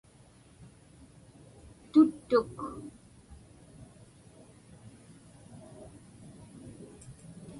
tuttuk